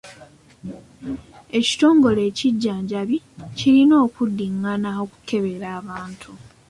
Ekitongole ekijjanjambi kirina okuddingana okukebera abantu.